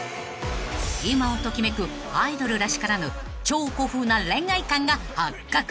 ［今を時めくアイドルらしからぬ超古風な恋愛観が発覚］